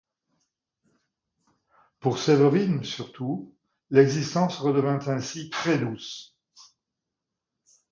Pour Séverine, surtout, l'existence redevint ainsi très douce.